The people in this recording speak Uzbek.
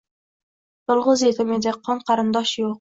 Yolg’iz yetim edi, qon-qarindosh yo’q